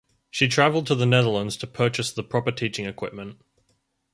She travelled to the Netherlands to purchase the proper teaching equipment.